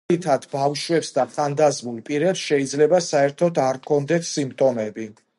მაგალითად, ბავშვებს და ხანდაზმულ პირებს შეიძლება საერთოდ არ ჰქონდეთ სიმპტომები.